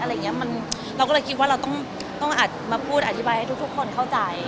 อะไรอย่างเงี้ยเราก็เลยคิดว่าเราต้องมาพูดอธิบายให้ทุกคนเข้าใจ